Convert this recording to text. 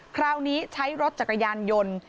คราวนี้ใช้รถจักรยานยนต์